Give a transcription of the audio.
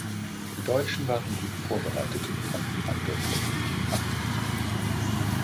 Die Deutschen waren gut vorbereitet und konnten die Angriffe der Griechen abwehren.